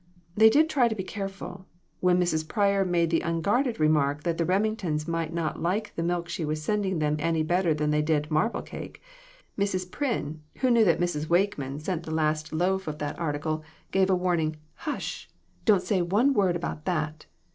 They did try to be careful. When Mrs. Pryor made the unguarded remark that the Remingtons might not like the milk she was sending them any better than they did marble cake, Mrs. Pryn, who knew that Mrs. Wakeman sent the last loaf i6o DON'T REPEAT IT. of that article, gave a warning "Hush! Don't say one word about that